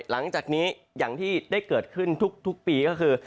หลังจากนี้อย่างที่ได้เกิดขึ้นทุกปีก็คือ